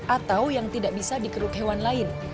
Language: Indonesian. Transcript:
atau yang tidak bisa dikeruk hewan lain